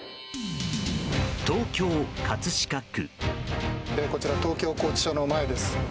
東京・葛飾区。